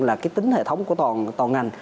là cái tính hệ thống của toàn ngành